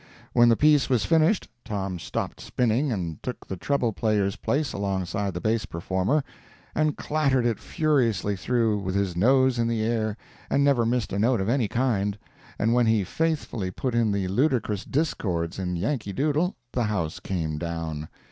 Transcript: When the piece was finished, Tom stopped spinning and took the treble player's place alongside the bass performer, and clattered it furiously through, with his nose in the air, and never missed a note of any kind; and when he faithfully put in the ludicrous discords in "Yankee Doodle," the house came down.